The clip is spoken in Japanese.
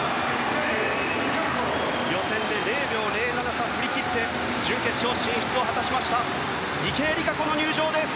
予選で０秒０７差振り切って準決勝進出をした池江璃花子です。